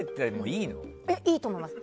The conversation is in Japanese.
いいと思いますよ。